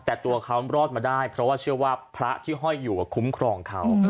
แต่ตัวเขารอดมาได้เพราะว่าเชื่อว่าพระที่ห้อยอยู่คุ้มครองเขา